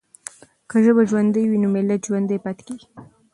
که ژبه ژوندۍ وي نو ملت ژوندی پاتې کېږي.